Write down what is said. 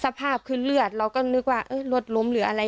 สภาพคือเลือดเราก็นึกว่ารถล้มหรืออะไร